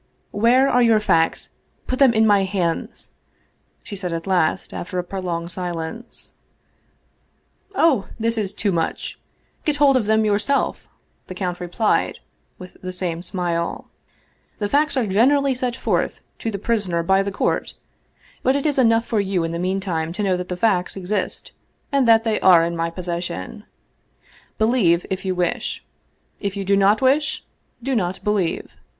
" Where are your facts ? Put them in my hands !" she said at last, after a prolonged silence. "Oh, this is too much! Get hold of them yourself!" the count replied, with the same smile. " The facts are generally set forth to the prisoner by the court; but it is enough for you in the meantime to know that the facts exist, and that they are in my possession. Believe, if you wish. If you do not wish, do not believe.